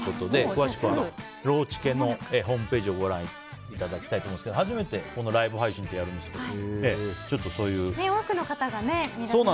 詳しくはローチケのホームページをご覧いただきたいと思うんですけど初めてライブ配信ってやるんですけど。